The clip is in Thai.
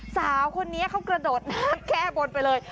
สาวคนนี้เขากระโดดน้ำแก้บนไปเลย